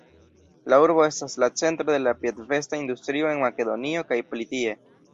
La urbo estas la centro de la piedvesta industrio en Makedonio kaj pli tie.